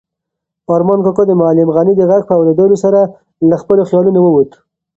ارمان کاکا د معلم غني د غږ په اورېدو سره له خپلو خیالونو ووت.